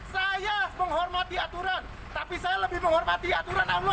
saya kan ke pemerintah daerah bogor gima arya